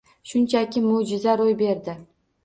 Shunchaki mo’jiza ro’y berdi.